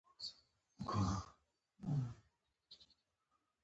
روژه د الله د رضا حاصلولو لاره ده.